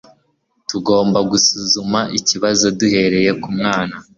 tugomba gusuzuma ikibazo duhereye ku mwana